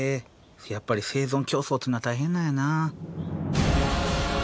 やっぱり生存競争ってのは大変なんやな。